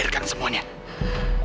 mereka akan membeberkan semuanya